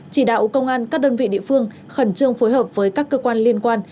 chỉ đạo công an các đơn vị địa phương khẩn trương phối hợp với các cơ quan liên quan